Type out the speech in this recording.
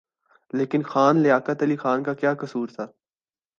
لیکن خان لیاقت علی خان کا کیا قصور تھا؟